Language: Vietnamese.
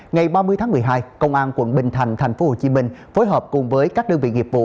ngày ba mươi tháng một mươi hai công an quận bình thành tp hcm phối hợp cùng với các đơn vị nghiệp vụ